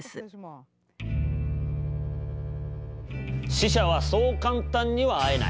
死者はそう簡単には会えない。